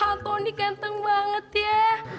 atau nih kenteng banget ya